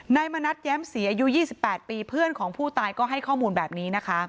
ในมนัดแย้มเสียอายุ๒๘ปีเพื่อนของผู้ตายก็ให้ข้อมูลแบบนี้